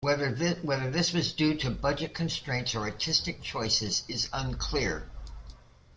Whether this was due to budget constraints or artistic choices is unclear.